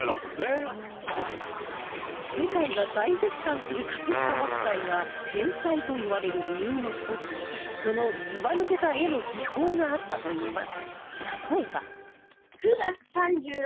世界が大絶賛する飾北斎が天才といわれる理由の１つにそのずば抜けた絵の技法があったといいます